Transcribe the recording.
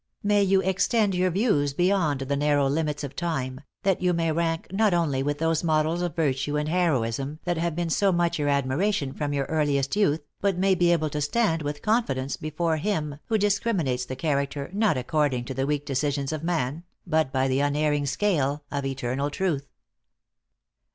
May you extend your views beyond the narrow limits of time, that you may rank not only with those models of virtue and heroism that have been so much your admiration from your earliest youth, but may be able to stand with confidence before Him who discriminates character not according to the weak decisions of man, but by the unerring scale of eternal truth."